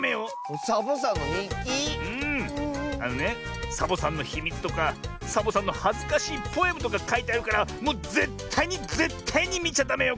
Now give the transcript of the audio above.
あのねサボさんのひみつとかサボさんのはずかしいポエムとかかいてあるからもうぜったいにぜったいにみちゃダメよ。